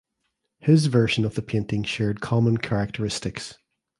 His version of the painting shared common characteristics.